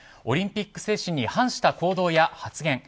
オリンピック精神に反した行動や発言